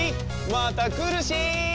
またくるし！